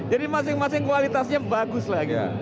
jadi masing masing kualitasnya bagus lagi